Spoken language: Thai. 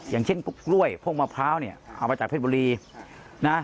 อย่างเช่นพวกกล้วยพวกมะพร้าวเนี่ยเอามาจากเพชรบุรีนะ